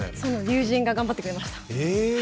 友人が頑張ってくれました。